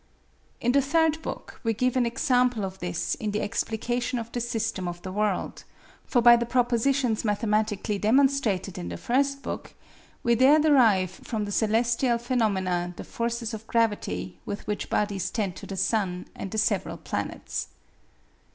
In the third book we give an example of this in the explication of the system of the World; for by the propositions mathematically demonstrated in the first book, we there derive from the celestial phenomena the forces of gravity with which bodies tend to the sun and the several planets.